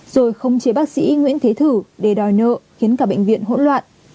rồi khống chế bác sĩ nguyễn thế thử để đòi nợ khiến cả bệnh viện hỗn loạn